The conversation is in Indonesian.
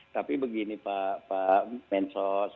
tapi begini pak mensos